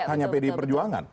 hanya pdi perjuangan